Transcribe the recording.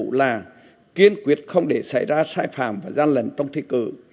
chính phủ là kiên quyết không để xảy ra sai phạm và gian lần trong thi cử